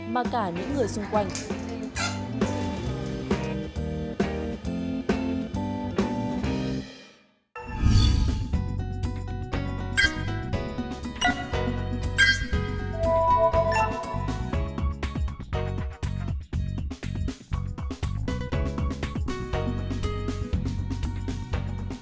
mà cả những người xung quanh